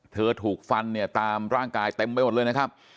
ถูกฟันเนี่ยตามร่างกายเต็มไปหมดเลยนะครับ